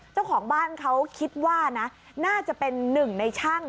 เจ้าของบ้านเขาคิดว่านะน่าจะเป็นหนึ่งในช่าง